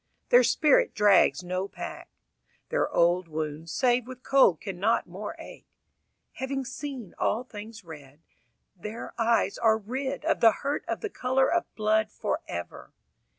Their spirit drags no pack. Their old wounds save with cold can not more ache. Having seen all things red, Their eyes are rid Of the hurt of the colour of blood for ever.